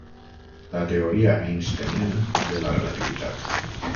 La teoria einsteiniana de la relativitat.